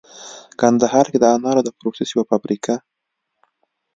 کندهار کې د انارو د پروسس یوه فابریکه